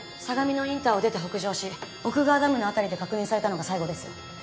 相模野インターを出て北上し奥川ダムの辺りで確認されたのが最後です。